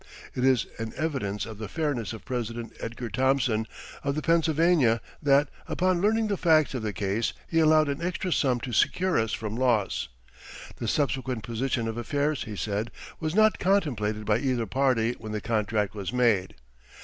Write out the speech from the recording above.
It is an evidence of the fairness of President Edgar Thomson, of the Pennsylvania, that, upon learning the facts of the case, he allowed an extra sum to secure us from loss. The subsequent position of affairs, he said, was not contemplated by either party when the contract was made.